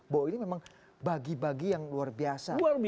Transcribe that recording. bahwa ini memang bagi bagi yang luar biasa